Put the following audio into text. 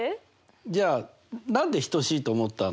じゃあ何で等しいと思ったの？